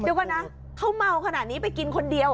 เดี๋ยวก่อนนะเขาเมาขนาดนี้ไปกินคนเดียว